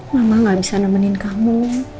mama gak bisa nemenin kamu